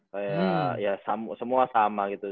kayak ya semua sama gitu